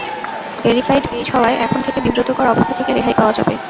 Verified page হওয়ায় এখন থেকে বিব্রতকর অবস্থা থেকে রেহাই পাওয়া যাবে।